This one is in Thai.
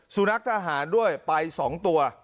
สุนัขทหารด้วยไป๒ตัว